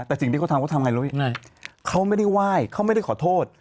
แต่สิ่งที่เขาทำเขาทำไงรู้ยังไงเขาไม่ได้ไหว้เขาไม่ได้ขอโทษ